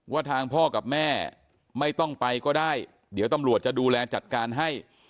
ว่าทางพ่อกับแม่ไม่ต้องไปก็ได้เดี๋ยวตำรวจจะดูแลจัดการให้